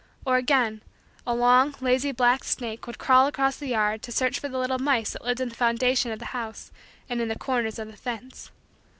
Or again, a long, lazy, black snake would crawl across the yard to search for the little mice that lived in the foundation of the house and in the corners of the fence.